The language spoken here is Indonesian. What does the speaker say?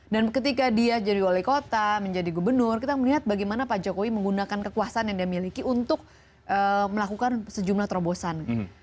dan ketika dia jadi wali kota menjadi gubernur kita melihat bagaimana pak jokowi menggunakan kekuasaan yang dia miliki untuk melakukan sejumlah terobosan